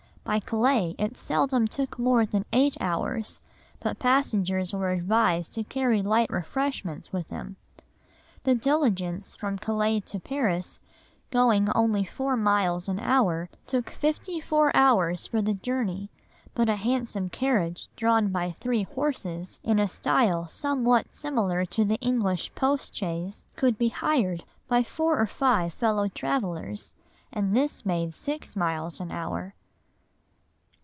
By Calais it seldom took more than eight hours, but passengers were advised to carry light refreshments with them. The diligence from Calais to Paris, going only four miles an hour, took fifty four hours for the journey, but a handsome carriage drawn by three horses, in a style somewhat similar to the English post chaise, could be hired by four or five fellow travellers, and this made six miles an hour."